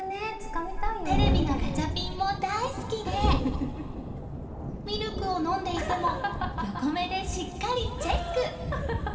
テレビのガチャピンも大好きでミルクを飲んでいても横目でしっかりチェック。